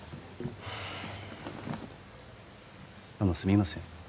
あのすみません